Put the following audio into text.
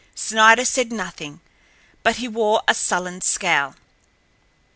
Snider said nothing, but he wore a sullen scowl.